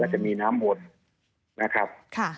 และจะมีน้ำหมดนะครับ